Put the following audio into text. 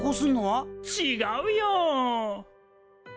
ちがうよ！